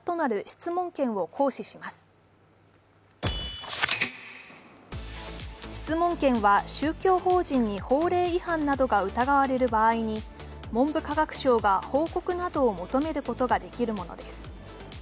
質問権は宗教法人に法令違反などが疑われる場合に文部科学省が報告などを求めることができるものです。